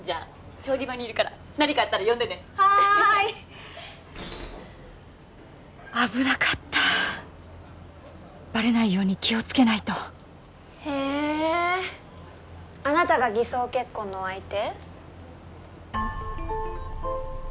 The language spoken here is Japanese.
調理場にいるから何かあったら呼んでねはい危なかったバレないように気をつけないとへえあなたが偽装結婚の相手？